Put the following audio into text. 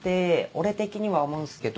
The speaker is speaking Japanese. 俺的には思うんすけど。